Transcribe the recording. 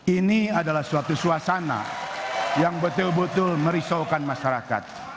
ini adalah suatu suasana yang betul betul merisaukan masyarakat